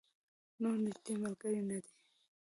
نور نږدې ملګری نه دی.